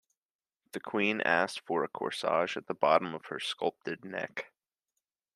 The Queen asked for a corsage at the bottom of her sculpted neck.